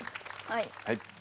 はい。